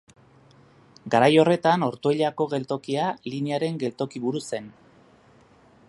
Garai horretan Ortuellako geltokia linearen geltoki-buru zen.